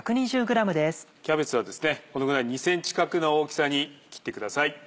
キャベツはこのぐらい２ｃｍ角の大きさに切ってください。